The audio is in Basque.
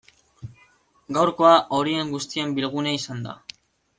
Gaurkoa horien guztien bilgunea izan da.